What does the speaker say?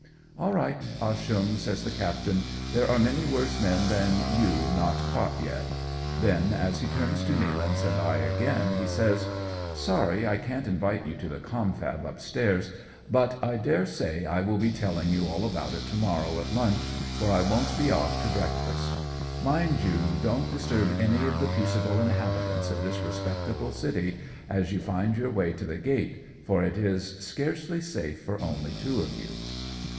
'' "All right, Ah Cheong," says the captain, "there are many worse men than you not caught yet ;" then as he turns to Nealance and I again, he saj's, '^ Sorry I can't invite you to the confab upstairs, but I daresay I will be telling you all about it to morrow at lunch, for I won't be off to breakfast. Mind you don't disturb any of the peaceable inhabitants of this respectable city, as you find your way to the gate, for it is scarcely safe for only two of you."